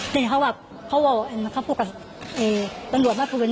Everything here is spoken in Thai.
นี่เขาว่าเขาพูดกับการรวดมาพูดวันนี้ว่าว่าตลาดเนี่ยเป็นจุดไฟใส่สวรรค์เขา